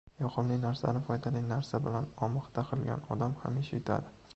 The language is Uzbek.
Yoqimli narsani foydali narsa bilan omixta qilgan odam hamisha yutadi.